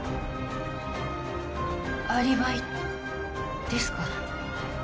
アリバイですか？